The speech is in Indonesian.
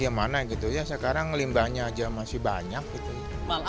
setelah kerajaan merasa berubah dan menghormat langsung